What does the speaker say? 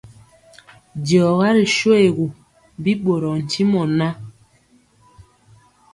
Diɔga ri shoégu, bi ɓorɔɔ ntimɔ ŋan.